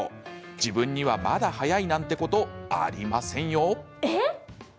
自分にはまだ早いなんてこと、ありませんよ。